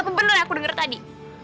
apa bener yang aku denger tadi